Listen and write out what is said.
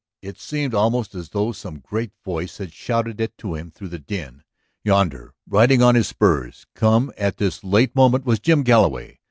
It seemed almost as though some great voice had shouted it to him through the din. Yonder, riding on his spurs, come at this late moment, was Jim Galloway.